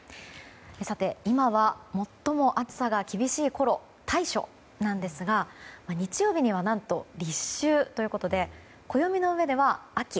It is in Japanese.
今は最も暑さが厳しいころ大暑なんですが日曜日には何と立秋ということで暦の上では秋。